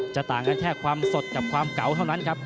ต่างกันแค่ความสดกับความเก่าเท่านั้นครับ